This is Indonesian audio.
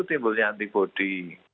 itu timbulnya antibodi